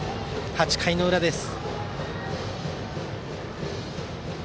８回の裏です。